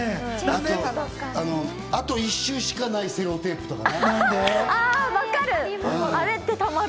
あと一周しかないセロテープとか。